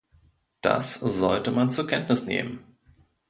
Das sollte man zur Kenntnis nehmen.